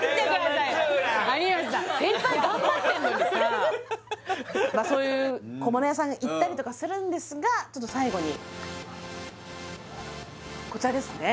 先輩頑張ってんのにさそういう小物屋さん行ったりとかするんですがちょっと最後にこちらですね